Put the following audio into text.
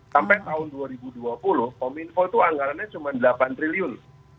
sampai tahun dua ribu dua puluh kominfo itu anggarannya cuma delapan triliun